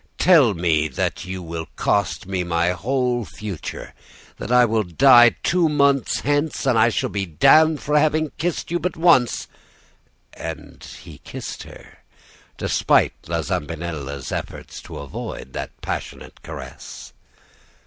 Tell me that you will cost me my whole future, that I shall die two months hence, that I shall be damned for having kissed you but once ' "And he kissed her, despite La Zambinella's efforts to avoid that passionate caress.